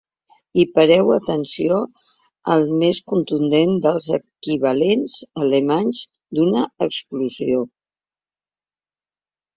I pareu atenció al més contundent dels equivalents alemanys d'una explosió.